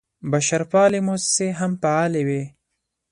بشرپالې موسسې هم فعالې وې.